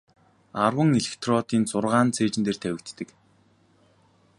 Арван электродын зургаа нь цээжин дээр тавигддаг.